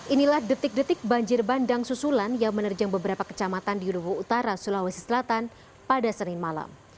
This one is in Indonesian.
inilah detik detik banjir bandang susulan yang menerjang beberapa kecamatan di luhu utara sulawesi selatan pada senin malam